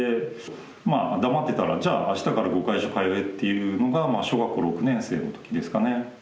まあ黙ってたら「じゃあ明日から碁会所通え」っていうのが小学校６年生の時ですかね。